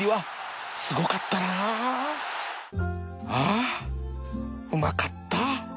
あうまかった